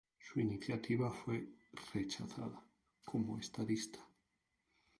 Su iniciativa fue rechazada como estatista.